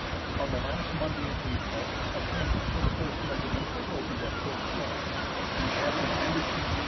On the last Monday in April a camp for the First Regiment was opened at Fort Snelling, and Capt. Anderson D.